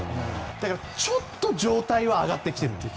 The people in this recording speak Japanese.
だから、ちょっと状態は上がってきている。